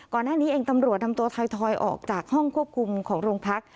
ก่อนหน้านี้เองตำรวจนำตัวถอยออกจากห้องควบคุมของโรงพัก